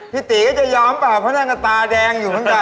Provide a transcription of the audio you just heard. พี่ตี๋ก็จะยอมป่าวเพราะนั่งกระตาแดงอยู่ข้างใน